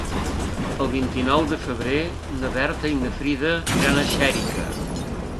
El vint-i-nou de febrer na Berta i na Frida iran a Xèrica.